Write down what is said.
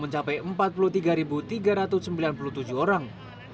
mencapai empat puluh tiga tiga ratus sembilan puluh tujuh orang